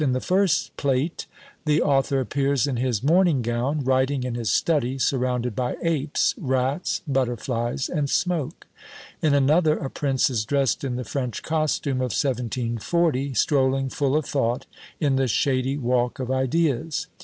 In the first plate, the author appears in his morning gown, writing in his study, surrounded by apes, rats, butterflies, and smoke. In another, a Prince is drest in the French costume of 1740, strolling full of thought "in the shady walk of ideas."